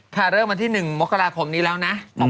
เริ่มวันที่๑มกราคมนี้แล้วนะ